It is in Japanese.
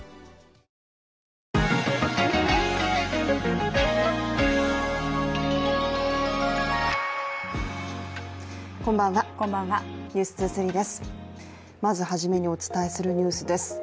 まずはじめにお伝えするニュースです。